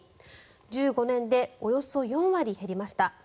１５年でおよそ４割減りました。